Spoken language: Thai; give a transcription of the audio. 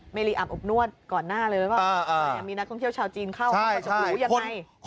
เมรีอัพอบนวดก่อนหน้าเลยว่ามีนักท่องเที่ยวชาวจีนเข้าห้องกระจกหรูยังไง